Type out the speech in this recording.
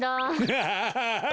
ハハハハ。